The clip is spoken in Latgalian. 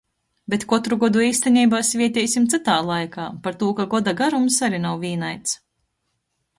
Bet kotru godu eistineibā svieteisim cytā laikā, partū ka goda garums ari nav vīnaids.